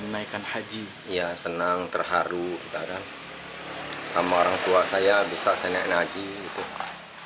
dari tahun seribu sembilan ratus sembilan puluh tujuh sampai sekarang lama lho pak